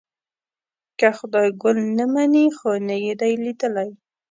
که خدای ګل نه مني خو نه یې دی لیدلی.